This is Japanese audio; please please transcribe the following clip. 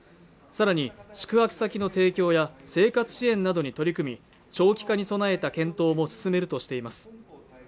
さらに宿泊先の提供や生活支援などに取り組み長期化に備えた検討も進めるとしています